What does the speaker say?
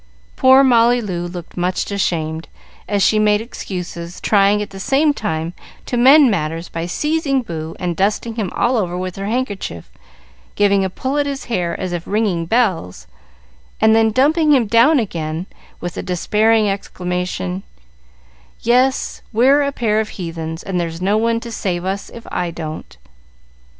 Poor Molly Loo looked much ashamed as she made excuses, trying at the same time to mend matters by seizing Boo and dusting him all over with her handkerchief, giving a pull at his hair as if ringing bells, and then dumping him down again with the despairing exclamation: "Yes, we're a pair of heathens, and there's no one to save us if I don't."